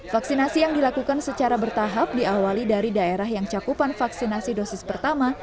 vaksinasi yang dilakukan secara bertahap diawali dari daerah yang cakupan vaksinasi dosis pertama